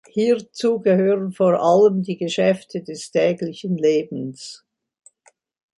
Hierzu gehören vor allem die Geschäfte des täglichen Lebens.